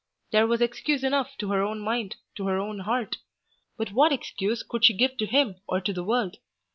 There was excuse enough to her own mind, to her own heart. But what excuse could she give to him or to the world?